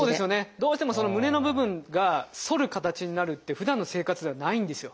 どうしてもその胸の部分が反る形になるってふだんの生活ではないんですよ。